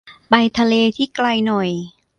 ไปทะเลที่ไกลหน่อย